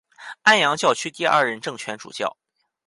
安阳教区第二任正权主教。